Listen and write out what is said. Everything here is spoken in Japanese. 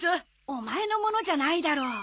オマエのものじゃないだろ。